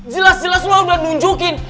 jelas jelas lo udah nunjukin